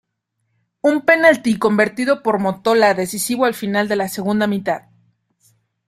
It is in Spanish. Un penalti convertido por Mottola decisivo al final de la segunda mitad.